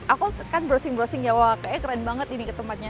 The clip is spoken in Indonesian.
aku kan browsing browsing ya wah kayaknya keren banget ini ke tempatnya